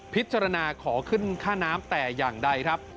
พิจารณาขอขึ้นค่าน้ำแต่อย่างใดครับ